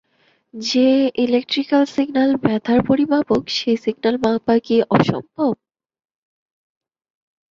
যে-ইলেকট্রিক্যাল signal ব্যথার পরিমাপক সেই সিগন্যাল মাপা কি অসম্ভব?